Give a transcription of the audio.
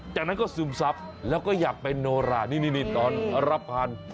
จากนั้นก็ซึมซับแล้วก็อยากเป็นโนรานี่ตอนรับพันธุ์